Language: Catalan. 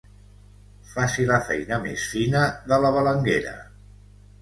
Faci la feina més fina de la balenguera.